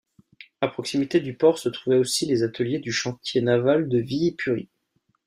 À proximité du port se trouvaient aussi les ateliers du chantier naval de Viipuri.